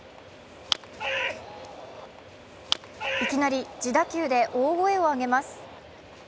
いきなり自打球で大声を上げます。